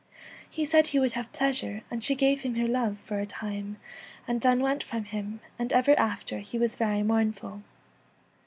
He said he would have pleasure, and she gave him her love for a time, and then went from him, and ever after he was very mournful.